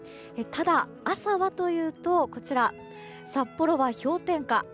ただ、朝はというと札幌は氷点下。